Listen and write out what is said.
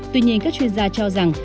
tuy nhiên các chuyên gia cho rằng